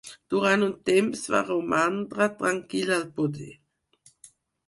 Durant un temps va romandre tranquil al poder.